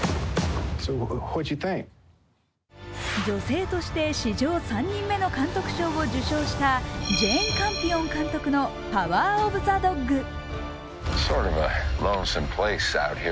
女性として史上３人目の監督賞を受賞したジェーン・カンピオン監督の「パワー・オブ・ザ・ドッグ」。